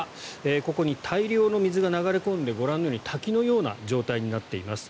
ここに大量の水が流れ込んでご覧のように滝のような状態になっています。